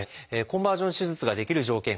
コンバージョン手術ができる条件